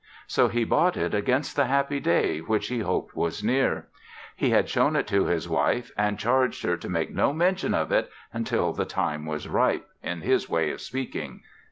So he bought it against the happy day which he hoped was near. He had shown it to his wife and charged her to make no mention of it until "the time was ripe," in his way of speaking.